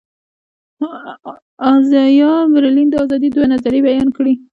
ازایا برلین د آزادي دوه نظریې بیان کړې.